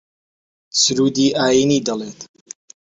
سروودی ئایینی دەڵێت